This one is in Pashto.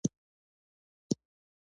شپاړسم لویي نشو کولای د خلکو اداره وکړي.